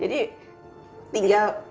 jadi tinggal saat bertemu